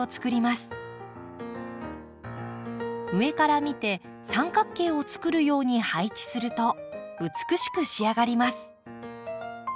上から見て三角形をつくるように配置すると美しく仕上がります。